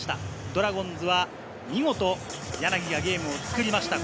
ドラゴンズは見事、柳がゲームを作りました。